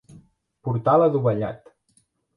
Portal adovellat.